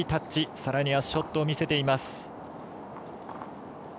さらにはショットを見せています。